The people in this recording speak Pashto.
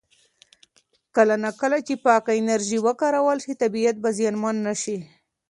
کله نا کله چې پاکه انرژي وکارول شي، طبیعت به زیانمن نه شي.